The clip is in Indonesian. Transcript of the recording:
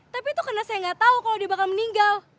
tapi itu karena saya nggak tahu kalau dia bakal meninggal